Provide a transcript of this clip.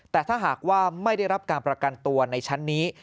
แต่ถ้าหากว่าไม่ได้รับการประกันตัวในชั้นนี้